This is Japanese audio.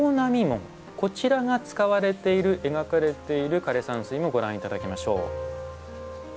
こちらが使われている描かれている枯山水もご覧頂きましょう。